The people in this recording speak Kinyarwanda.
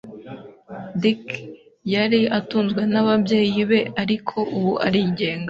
Dick yari atunzwe n'ababyeyi be, ariko ubu arigenga.